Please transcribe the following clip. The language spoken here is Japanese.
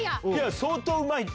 相当うまいって。